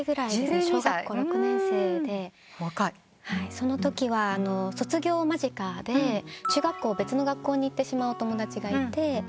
そのときは卒業間近で中学校別の学校に行ってしまうお友達がいて。